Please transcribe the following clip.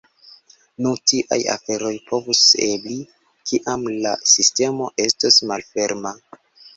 Nun tiaj aferoj povus ebli, kiam la sistemo estos malferma.